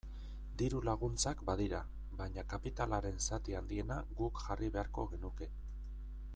Diru-laguntzak badira, baina kapitalaren zati handiena guk jarri beharko genuke.